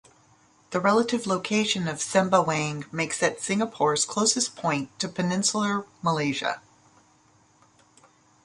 The relative location of Sembawang makes it Singapore's closest point to Peninsular Malaysia.